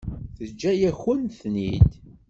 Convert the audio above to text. Teǧǧa-yakent-ten-id.